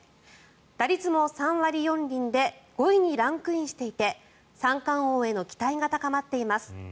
打率も３割４厘で５位にランクインしていて三冠王への期待が高まっています。